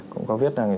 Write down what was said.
cũng có viết rằng